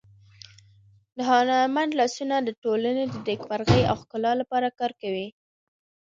د هنرمند لاسونه د ټولنې د نېکمرغۍ او ښکلا لپاره کار کوي.